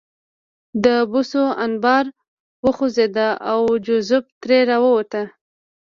د بوسو انبار وخوځېد او جوزف ترې راووت